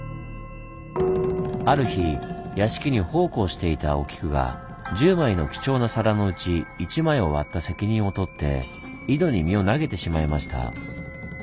ある日屋敷に奉公していたお菊が１０枚の貴重な皿のうち１枚を割った責任を取って井戸に身を投げてしまいました。